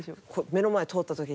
目の前通った時に。